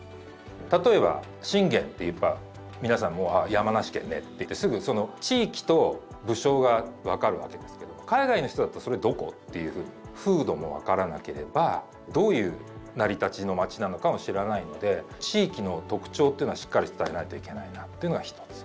例えば信玄っていえば皆さんもうあ山梨県ねって言ってすぐその地域と武将が分かるわけですけれども海外の人だったら「それどこ？」っていうふうに風土も分からなければどういう成り立ちの町なのかも知らないので地域の特徴というのはしっかり伝えないといけないなというのが一つ。